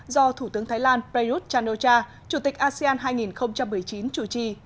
do thủ tướng thái lan prayuth chan o cha chủ tịch asean hai nghìn một mươi chín chủ trì